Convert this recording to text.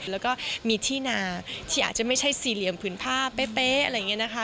แล้วก็มีที่นาที่อาจจะไม่ใช่สี่เหลี่ยมผืนผ้าเป๊ะอะไรอย่างนี้นะคะ